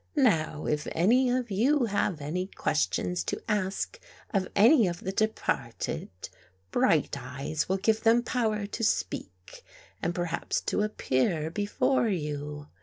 " Now if any of you have any ques tions to ask of any of the departed, Bright eyes will give them power to speak and perhaps to appear be fore you.